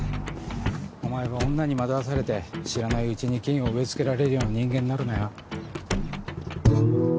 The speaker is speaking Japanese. お前は女に惑わされて知らないうちに菌を植え付けられるような人間になるなよ。